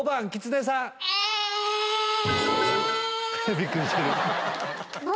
びっくりしてる！